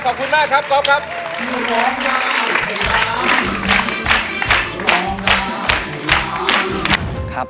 ขอบคุณมากครับก๊อฟครับ